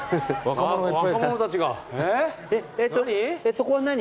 そこは何？